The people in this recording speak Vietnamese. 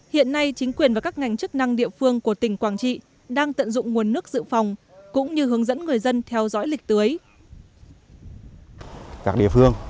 hiện nay chính quyền và các ngành truyền hình nhân dân đều không thể phục vụ tới tiêu cho cây trồng